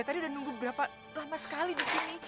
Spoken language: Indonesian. tadi udah nunggu berapa lama sekali disini